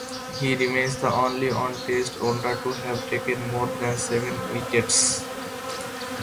He remains the only one-test wonder to have taken more than seven wickets.